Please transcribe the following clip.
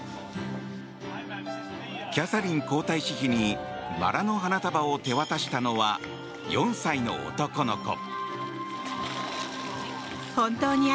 キャサリン皇太子妃にバラの花束を手渡したのは４歳の男の子。